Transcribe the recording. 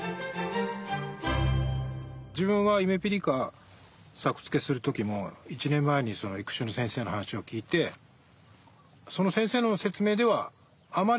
自分はゆめぴりか作付けする時も１年前に育種の先生の話を聞いてその先生の説明ではあまりいいことを言ってなくて